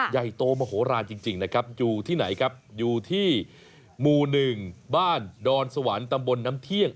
ใหญ่โตมโหลานจริงนะครับอยู่ที่ไหนครับอยู่ที่หมู่๑บ้านดอนสวรรค์ตำบลน้ำเที่ยง